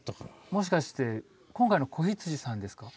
もしかして今回の子羊さんですか？